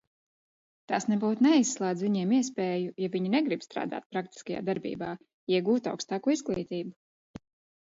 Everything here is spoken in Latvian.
Tas nebūt neizslēdz viņiem iespēju, ja viņi negrib strādāt praktiskajā darbībā, iegūt augstāko izglītību.